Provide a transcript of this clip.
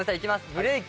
ブレーキ。